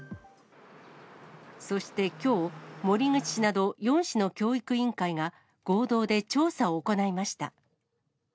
そしてきょう、守口市など、４市の教育委員会が合同で調査を行いました。